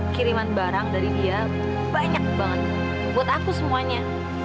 kiriman barang dari dia banyak banget buat aku semuanya